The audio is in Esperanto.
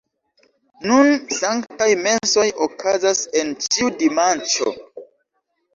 Nun sanktaj mesoj okazas en ĉiu dimanĉo.